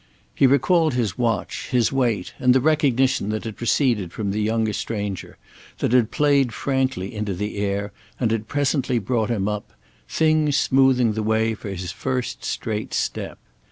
He recalled his watch, his wait, and the recognition that had proceeded from the young stranger, that had played frankly into the air and had presently brought him up—things smoothing the way for his first straight step.